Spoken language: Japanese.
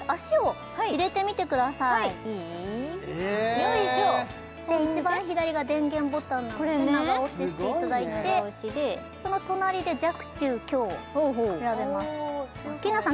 よいしょ一番左が電源ボタンなので長押ししていただいてその隣で弱・中・強を選べますアッキーナさん